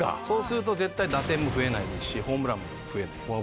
そうすると、絶対打点も増えないですし、ホームランも増えない。